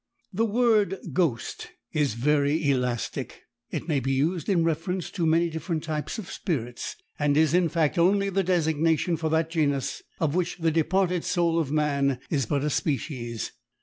The word ghost is very elastic, it may be used in reference to many different types of spirits, and is, in fact, only the designation for that genus of which the departed soul of man is but a species.